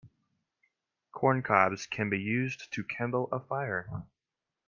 Corn cobs can be used to kindle a fire.